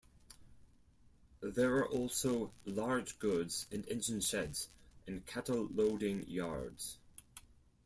There are also large goods and engine sheds, and cattle loading yards.